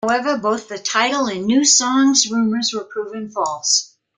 However, both the title and new songs rumors were proven false.